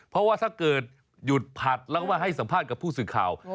เพราะว่าถ้าเกิดหยุดผัดแล้วก็มาให้สัมภาษณ์กับผู้สื่อข่าว